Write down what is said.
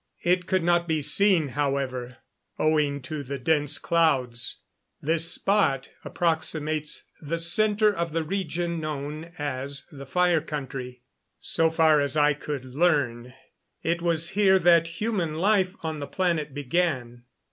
It could not be seen, however, owing to the dense clouds. This spot approximates the center of the region known as the Fire Country. So far as I could learn, it was here that human life on the planet began.